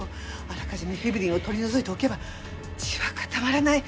あらかじめフィブリンを取り除いておけば血は固まらない！